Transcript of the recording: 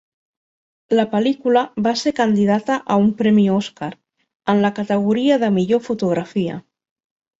La pel·lícula va ser candidata a un premi Oscar en la categoria de millor fotografia.